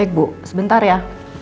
baik bu sebentar ya